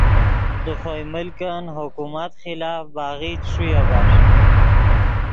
دے خوئے ملکن حکومت خلاف باغی چے ݰویا بݰ